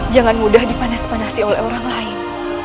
jangan mudah dipanasi panasi oleh orang lain